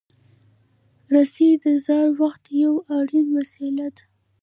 رسۍ د زاړه وخت یو اړین وسیله ده.